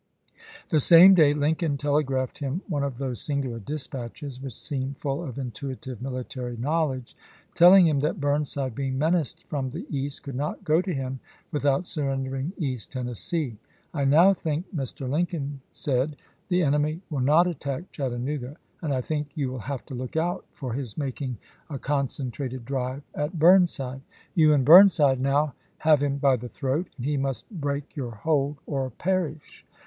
The same day Lincoln tele graphed him one of those singular dispatches which seem full of intuitive military knowledge, telling him that Bm nside, being menaced from the east, could not go to him without surrendering East Tennessee. " I now think," Mr. Lincoln said, " the enemy will not attack Chattanooga, and I think 5'ou will have to look out for his making a concen trated drive at Burnside. You and Burnside now have him by the throat, and he must break your hold or perish.